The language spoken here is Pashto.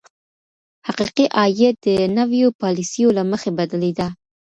حقیقي عاید د نویو پالیسیو له مخي بدلیده.